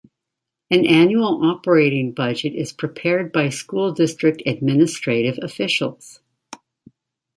An annual operating budget is prepared by school district administrative officials.